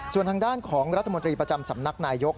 ส่วนทางด้านของรัฐมนตรีประจำสำนักนายยก